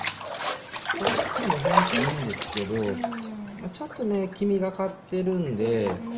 こっちもね雰囲気いいんですけどま、ちょっとね黄味がかってるんで。